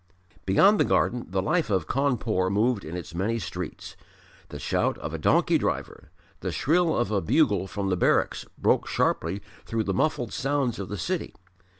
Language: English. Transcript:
Beyond the garden the life of Cawnpore moved in its many streets; the shout of a donkey driver, the shrill of a bugle from the barracks broke sharply through the muffled sounds of the city.